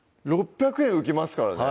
６００円浮きますからね